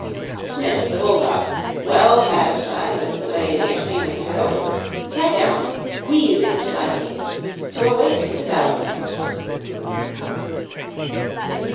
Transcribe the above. Smith the bulldog, well satisfied with the way the entertainment had opened, sat down, wheezing slightly, to await developments.